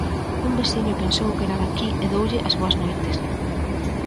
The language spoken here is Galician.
Un veciño pensou que era de aquí e deulle as boas noites.